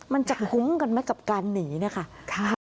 มันจะคุ้มกันไหมกับการหนีเนี่ยค่ะ